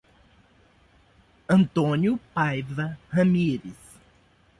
Antônio Paiva Ramires